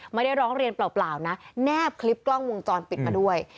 ไม่ได้ร้องเรียนเปล่านะแนบคลิปกล้องวงจรปิดมาด้วย